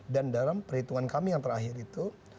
dan dalam perhitungan kami yang terakhir itu